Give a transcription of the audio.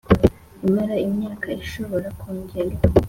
Imara imyaka ishobora kongerwa